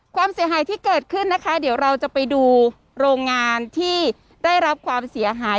ความเสียหายที่เกิดขึ้นนะคะเดี๋ยวเราจะไปดูโรงงานที่ได้รับความเสียหาย